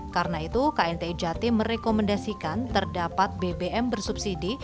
karena itu knti jati merekomendasikan terdapat bbm bersubsidi